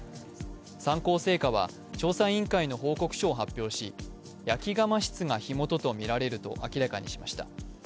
三幸製菓は調査委員会の報告書を発表し焼釜室が火元とみられると明らかにしました。